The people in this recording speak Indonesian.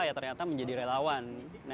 ya ternyata menjadi relawan